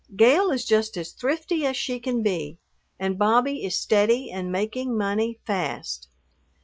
Gale is just as thrifty as she can be and Bobby is steady and making money fast.